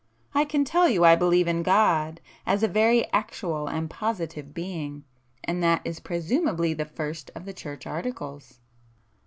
I can tell you I believe in God as a very Actual and Positive Being,—and that is presumably the first of the Church articles."